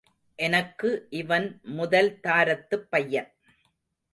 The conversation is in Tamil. எனக்கு இவன் முதல் தாரத்துப் பையன்.